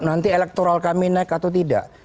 nanti elektoral kami naik atau tidak